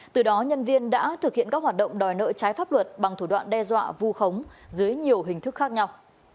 từ đó nhân viên đã thực hiện các hoạt động đòi nợ trái pháp luật bằng thủ đoạn đe dọa vu khống dưới nhiều hình thức khác nhau